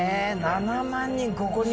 ７万人ここに？